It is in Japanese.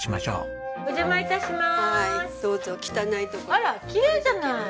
あらきれいじゃない！